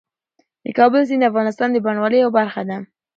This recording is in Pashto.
د کابل سیند د افغانستان د بڼوالۍ یوه برخه ده.